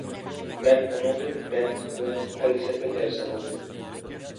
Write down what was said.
مەن ئۇنىڭدىن مەنتىق ۋە پەلسەپە دەرسى ئالدىم.